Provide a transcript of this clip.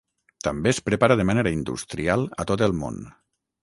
També es prepara de manera industrial a tot el món.